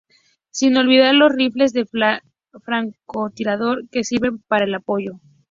Sin olvidar los rifles de francotirador que sirven para el apoyo.